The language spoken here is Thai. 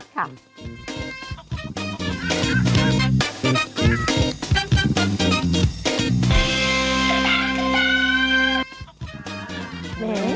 ครับ